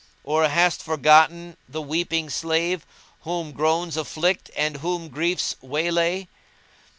Or hast forgotten the weeping slave * Whom groans afflict and whom griefs waylay?